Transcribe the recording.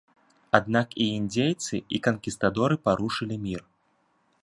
Аднак і індзейцы, і канкістадоры парушылі мір.